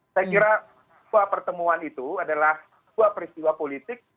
saya kira dua pertemuan itu adalah dua peristiwa politik